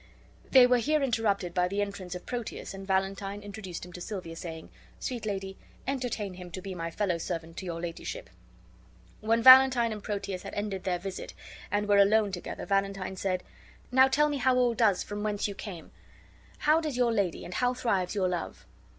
They were here interrupted by the entrance of Proteus, and Valentine introduced him to Silvia, saying, "Sweet lady, entertain him to be my fellow servant to your ladyship." When Valentine and Proteus had ended their visit, and were alone together, Valentine said: "Now tell me how all does from whence you came? How does your lady, and how thrives your love?"